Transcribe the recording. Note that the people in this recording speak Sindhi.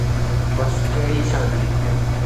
بس ڪهڙي شادي؟